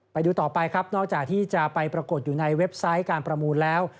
ไปดูต่อไปครับนอกจากที่จะไปปรากฏอยู่ในเว็บไซต์การประมูลแล้ว